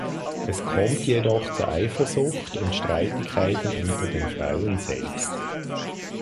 Es kommt jedoch zu Eifersucht und Streitigkeiten unter den Frauen selbst.